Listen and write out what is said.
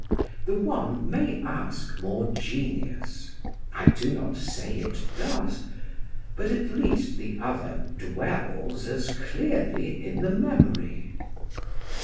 The one may ask more genius I do not say it does; but at least the other dwells as clearly in the memory.